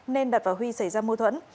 nên đạt và huy xảy ra mâu thuẫn